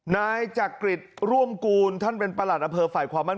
นายจักริจร่วมกลท่านเป็นประหลาดอะเผอร์ฝัดความมั่นคง